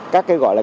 các cái gọi là